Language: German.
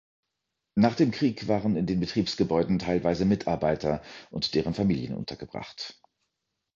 Nach dem Krieg waren in den Betriebsgebäuden teilweise Mitarbeiter und deren Familien untergebracht.